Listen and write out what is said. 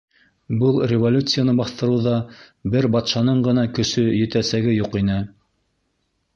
— Был революцияны баҫтырыуҙа бер батшаның ғына көсө етәсәге юҡ ине.